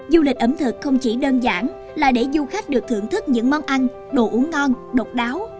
du lịch ẩm thực không chỉ đơn giản là để du khách được thưởng thức những món ăn đồ uống ngon độc đáo